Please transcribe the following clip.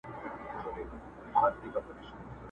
د وینو په دریاب کي یو د بل وینو ته تږي!.